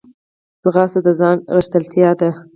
ځغاسته د ځان غښتلتیا ده